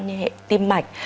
như hệ tim mạch